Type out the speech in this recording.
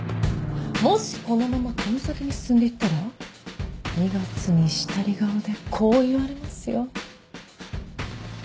もしこのままこの先に進んで行ったら２月にしたり顔でこう言われますよ。